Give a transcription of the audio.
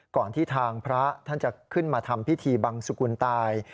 ก่อนที่ทางพระท่านจะขึ้นมาทำพิธีบังสุกุลตาย